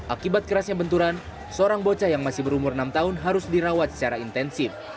akibat kerasnya benturan seorang bocah yang masih berumur enam tahun harus dirawat secara intensif